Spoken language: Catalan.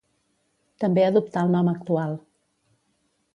També adoptà el nom actual.